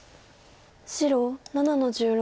白７の十六。